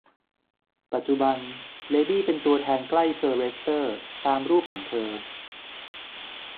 ปัจจุบันเลดี้เป็นตัวแทนใกล้เซอร์เลสเตอร์ตามรูปของเธอ